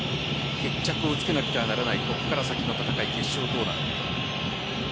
決着をつけなくてはならないここから先の決勝トーナメント。